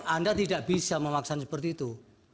anda tidak bisa memaksa seperti itu